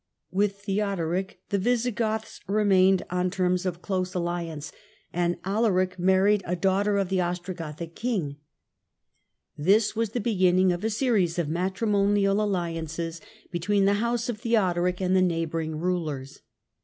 With Theodoric the Visigoths remained on terms of THE GOTHIC KINGDOM IN ITALY 29 ose alliance, and Alaric married a daughter of the strogothic king. This was the beginning of a series matrimonial alliances between the house of Theodoric id the neighbouring rulers.